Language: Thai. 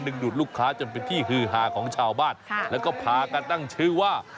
ดูดลูกค้าจนเป็นที่ฮือฮาของชาวบ้านแล้วก็พากันตั้งชื่อว่า